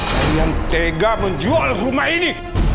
kalian tega menjual rumah ini